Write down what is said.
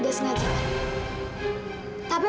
tidak kak fadil